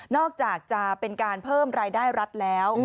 อกจากจะเป็นการเพิ่มรายได้รัฐแล้ว